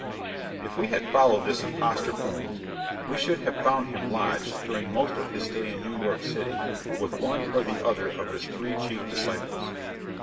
If we had followed this impostor home, we should have found him lodged, during most of his stay in New York city, with one or the other of his three chief disciples.